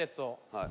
はい。